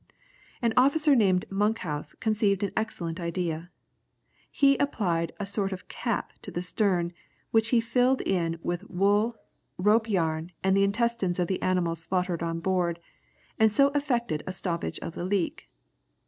An officer named Monkhouse conceived an excellent idea. He applied a sort of cap to the stern, which he filled in with wool, rope yarn, and the intestines of the animals slaughtered on board, and so effected a stoppage of the leak.